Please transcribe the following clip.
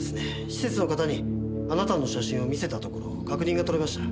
施設の方にあなたの写真を見せたところ確認が取れました。